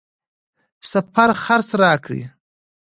سفر خرڅ راکړ.